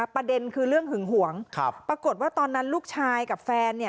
ประเด็นคือเรื่องหึงหวงปรากฏว่าตอนนั้นลูกชายกับแฟนเนี่ย